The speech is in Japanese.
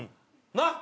「なっ！！」